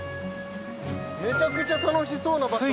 めちゃくちゃ楽しそうな場所。